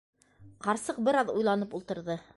- Ҡарсыҡ бер аҙ уйланып ултырҙы.